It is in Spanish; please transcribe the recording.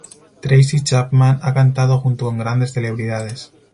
Tracy Chapman ha cantado junto con grandes celebridades.